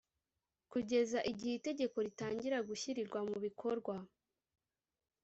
kugeza Igihe itegeko ritangira gushyirirwa mubikorwa